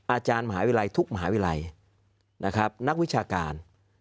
อาจารย์มหาวิทยาลัยทุกมหาวิทยาลัยนะครับนักวิชาการ